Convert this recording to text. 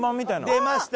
出ました！